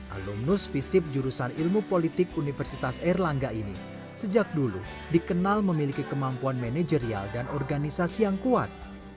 alumnus visip jurusan ilmu politik universitas erlangga ini sejak dulu dikenal memiliki kemampuan manajerial dan organisasi yang kuat